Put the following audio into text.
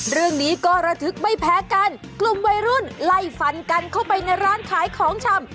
เรื่องนี้ก็ระทึกไม่แพ้กันกลุ่มวัยรุ่นไล่ฟันกันเข้าไปในร้านขายของชำ